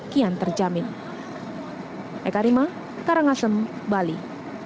di kartu itu kesehatan dan kesejahteraan anggotanya kian terjamin